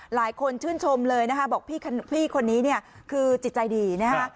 หลายคนชื่นชมเลยนะคะบอกพี่คนนี้เนี่ยคือจิตใจดีนะฮะ